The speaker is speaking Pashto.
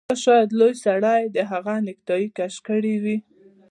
یا شاید لوی سړي د هغه نیکټايي کش کړې وي